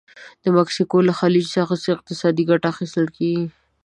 د مکسیکو له خلیج څخه څه اقتصادي ګټه اخیستل کیږي؟